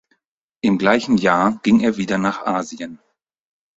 Im gleichen Jahr ging er wieder nach Asien.